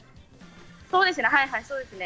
そうですね。